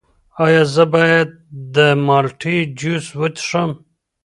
ایا زه باید د مالټې جوس وڅښم؟